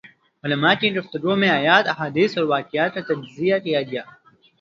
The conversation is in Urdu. علماء کی گفتگو میں آیات ، احادیث اور واقعات کا تجزیہ کیا گیا